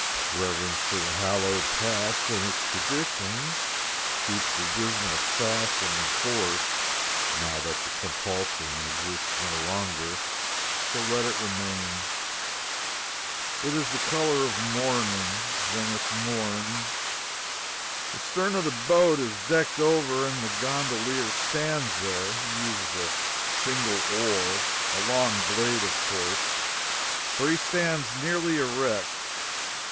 Reverence for the hallowed Past and its traditions keeps the dismal fashion in force now that the compulsion exists no longer. So let it remain. It is the color of mourning. Venice mourns. The stern of the boat is decked over and the gondolier stands there. He uses a single oar a long blade, of course, for he stands nearly erect.